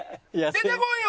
出てこいよ！